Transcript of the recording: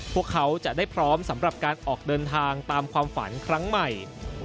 พวกเขาจะได้พร้อมสำหรับการออกเดินทางตามความฝันครั้งใหม่